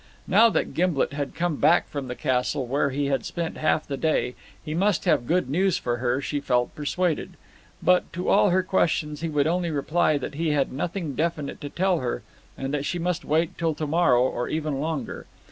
Now that Gimblet had come back from the castle, where he had spent half the day, he must have good news for her, she felt persuaded. But to all her questions he would only reply that he had nothing definite to tell her, and that she must wait till to morrow or even longer.